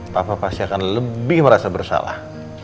tanpa pasti akan lebih merasa bersalah